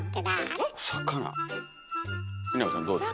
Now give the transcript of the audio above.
南さんどうですか？